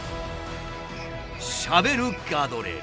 しゃべるガードレール。